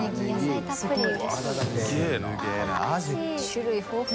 種類豊富。